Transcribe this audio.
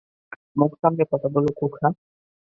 মুখ সামলে কথা বল, খোকা।